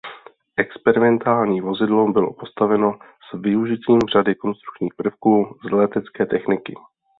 Experimentální vozidlo bylo postaveno s využitím řady konstrukčních prvků z letecké techniky.